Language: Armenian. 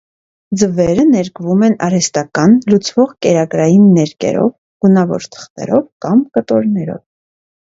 Ձվերը ներկվում են արհեստական, լուծվող կերակրային ներկերով, գունավոր թղթերով, կամ կտորներով։